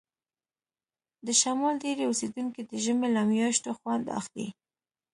د شمال ډیری اوسیدونکي د ژمي له میاشتو خوند اخلي